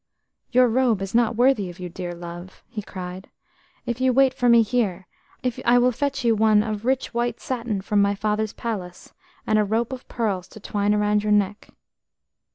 "Your robe is not worthy of you, dear love," he cried. "If you wait for me here, I will fetch you one of rich white satin from my father's palace, and a rope of pearls to twine around your neck."